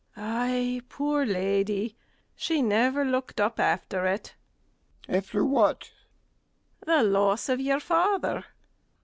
Ay, poor lady, she never looked up after it. MR. G. After what? STEWARD. The loss of your father. MR.